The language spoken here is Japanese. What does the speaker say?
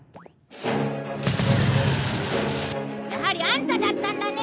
やはりアンタだったんだね